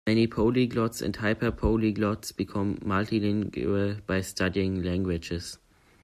Many polyglots and hyperpolyglots become multilingual by studying languages.